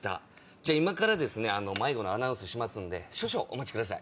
じゃあ今から迷子のアナウンスしますので少々お待ちください。